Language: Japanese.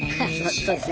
そうですね